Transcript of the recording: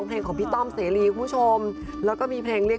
สักทีได้ไหมแล้วพี่ใจกินกับน้องมือ